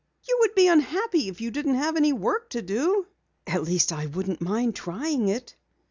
"You would be unhappy if you didn't have any work to do." "At least, I wouldn't mind trying it."